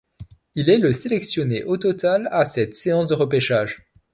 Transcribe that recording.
Il est le sélectionné au total à cette séance de repêchage.